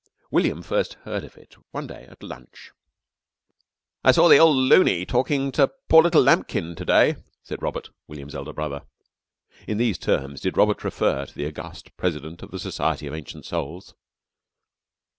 William first heard of it one day at lunch. "I saw the old luny talking to poor little Lambkin to day," said Robert, William's elder brother. In these terms did Robert refer to the august President of the Society of Ancient Souls.